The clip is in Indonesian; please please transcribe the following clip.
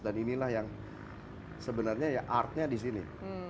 dan inilah yang sebenarnya artnya di sini